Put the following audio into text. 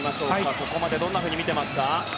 ここまでどんなふうに見ますか。